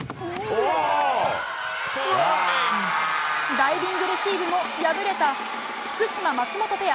ダイビングレシーブも敗れた福島、松本ペア。